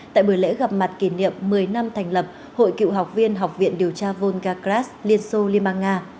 tại buổi lễ gặp mặt kỷ niệm một mươi năm thành lập hội cựu học viên học viện điều tra volgas liên xô liên bang nga